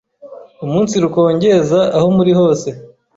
umunsirukongeza aho muri hose